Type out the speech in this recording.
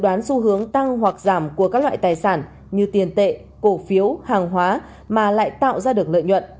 đoán xu hướng tăng hoặc giảm của các loại tài sản như tiền tệ cổ phiếu hàng hóa mà lại tạo ra được lợi nhuận